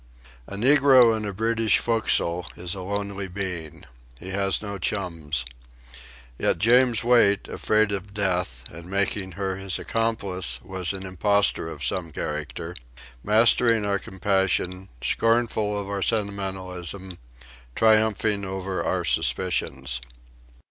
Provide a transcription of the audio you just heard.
A negro in a British forecastle is a lonely being. He has no chums. Yet James Wait, afraid of death and making her his accomplice was an impostor of some character mastering our compassion, scornful of our sentimentalism, triumphing over our suspicions.